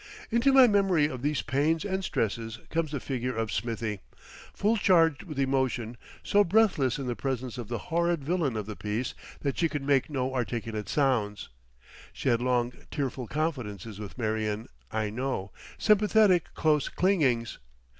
Into my memory of these pains and stresses comes the figure of Smithie, full charged with emotion, so breathless in the presence of the horrid villain of the piece that she could make no articulate sounds. She had long tearful confidences with Marion, I know, sympathetic close clingings.